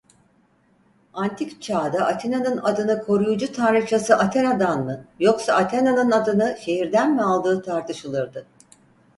Antik çağda Atina'nın adını koruyucu tanrıçası Athena'dan mı yoksa Athena'nın adını şehirden mi aldığı tartışılırdı.